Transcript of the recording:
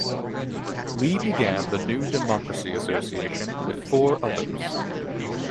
Lee began the New Democracy Association with four others.